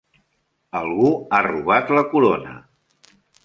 Algú ha robat la corona!